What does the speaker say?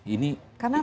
ini karena kalau